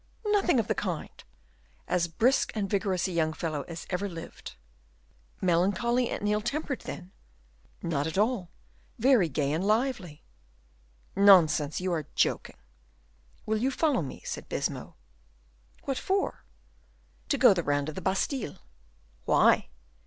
"Nothing of the kind as brisk and vigorous a young fellow as ever lived." "Melancholy and ill tempered, then?" "Not at all; very gay and lively." "Nonsense; you are joking." "Will you follow me?" said Baisemeaux. "What for?" "To go the round of the Bastile." "Why?"